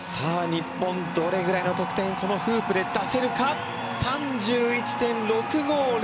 日本どれくらいの得点をフープで出せるか。３１．６５０。